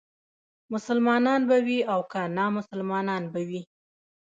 مسلمان به وي او که نامسلمان به وي.